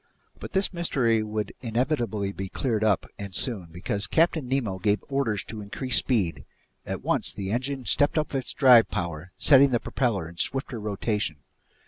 But this mystery would inevitably be cleared up, and soon, because Captain Nemo gave orders to increase speed; at once the engine stepped up its drive power, setting the propeller in swifter rotation.